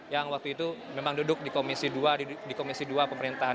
yang waktu itu memang duduk di komisi dua pemerintahan